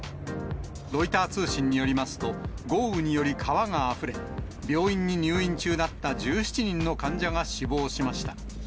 ロイター通信によりますと、豪雨により川があふれ、病院に入院中だった１７人の患者が死亡しました。